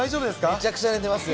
めちゃくちゃ寝てますよ。